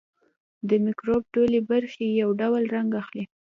د مکروب ټولې برخې یو ډول رنګ اخلي.